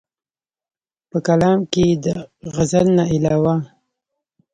پۀ کلام کښې ئې د غزل نه علاوه